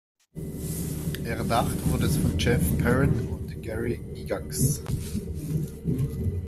Erdacht wurde es von Jeff Perren und Gary Gygax.